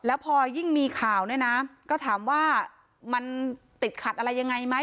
แล้วพอยิ่งมีข่าวนั่นมันติดขัดอะไรยังไงแม้